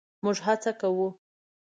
مونږ هڅه کوو